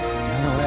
これ。